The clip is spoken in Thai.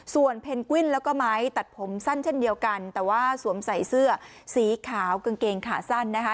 ส่วนเพนกวิ้นแล้วก็ไม้ตัดผมสั้นเช่นเดียวกันแต่ว่าสวมใส่เสื้อสีขาวกางเกงขาสั้นนะคะ